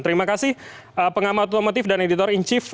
terima kasih pengamat otomotif dan editor in chief